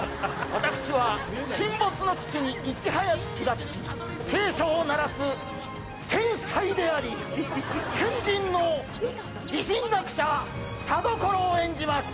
私は沈没の危機にいち早く気がつき警鐘を鳴らす天才であり変人の地震学者田所を演じます